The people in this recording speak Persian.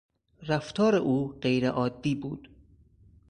رفتار او غیر عادی بود.